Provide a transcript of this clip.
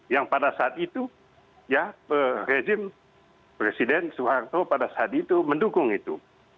yang pada saat itu ya rezim presiden soeharto pada saat itu mendukung itu